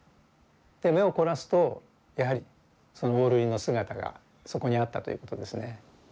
目を凝らすとやはりそのオオルリの姿がそこにあったということですね。